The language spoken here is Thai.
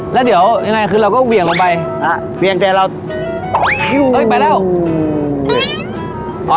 แล้วเดี๋ยวยังไงคือเราก็เหวี่ยงลงไปเวียงแต่เราเอ้ยไปแล้ว